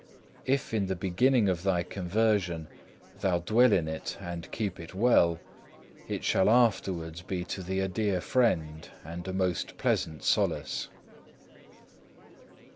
If in the beginning of thy conversation thou dwell in it and keep it well, it shall afterwards be to thee a dear friend, and a most pleasant solace.